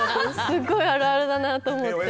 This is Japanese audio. すごいあるあるだなと思って。